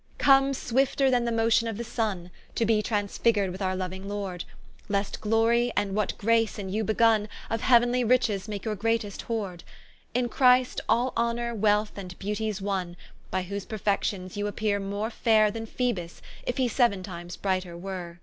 Come swifter than the motion of the Sunne, To be transfigur'd with our louing Lord, Lest Glory end what Grace in you begun, Of heau'nly riches make your greatest hoord, In Christ all honour, wealth, and beautie's wonne: By whose perfections you appeare more faire Than Phœbus, if he seau'n times brighter were.